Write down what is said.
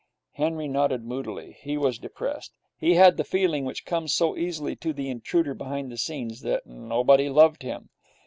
Henry nodded moodily. He was depressed. He had the feeling, which comes so easily to the intruder behind the scenes, that nobody loved him.